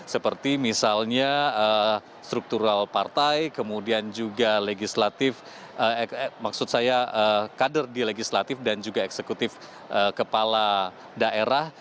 seperti misalnya struktural partai kemudian juga legislatif maksud saya kader di legislatif dan juga eksekutif kepala daerah